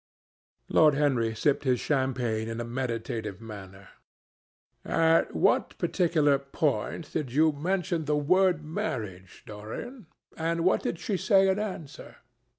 Lord Henry sipped his champagne in a meditative manner. "At what particular point did you mention the word marriage, Dorian? And what did she say in answer?